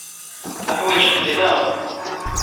Uḥwaǧeɣ-k da.